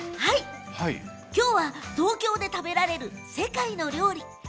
きょうは東京で食べられる世界の料理。